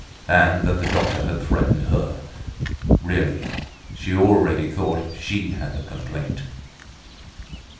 And that the doctor had threatened her! Really, she already thought she had the complaint.